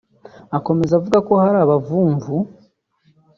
Akomeza avuga ko hari n’abavumvu